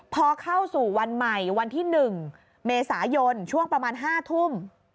พอเข้าสู่วันใหม่วันที่๑เมษายนช่วงประมาณ๕ทุ่ม